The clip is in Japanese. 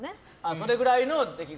それくらいの出来事。